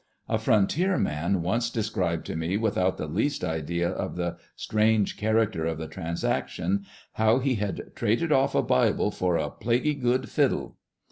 A frontier man once described to me without the least idea of the strange character of the transaction, how he had " traded off a bible for a plaguey good fiddle."